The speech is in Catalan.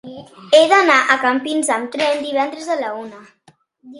He d'anar a Campins amb tren divendres a la una.